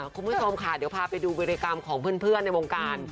คุณผู้ชมค่ะเดี๋ยวพาไปดูบริกรรมของเพื่อนในวงการ